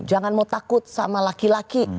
jangan mau takut sama laki laki